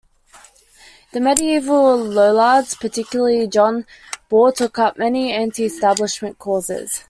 The medieval Lollards, particularly John Ball, took up many anti-establishment causes.